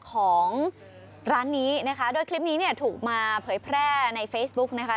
ของร้านนี้นะคะโดยคลิปนี้เนี่ยถูกมาเผยแพร่ในเฟซบุ๊กนะคะ